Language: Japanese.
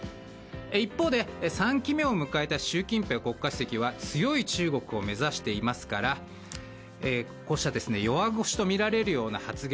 一方で、３期目を迎えた習近平国家主席は強い中国を目指していますからこうした弱腰とみられるような発言。